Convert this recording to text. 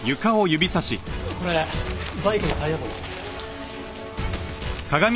これバイクのタイヤ痕です。